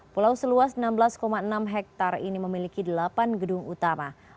pulau seluas enam belas enam hektare ini memiliki delapan gedung utama